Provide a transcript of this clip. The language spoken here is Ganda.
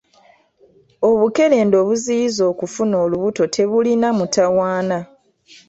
Obukerenda obuziyiza okufuna olubuto tebulina mutawaana.